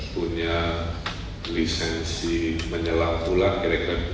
punya lisensi menyelak bulan kerekat